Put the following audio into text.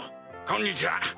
こんにちは。